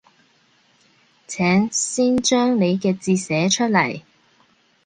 請先將你嘅字寫出來